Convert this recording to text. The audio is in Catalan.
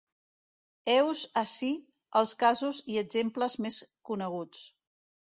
Heus ací els casos i exemples més coneguts.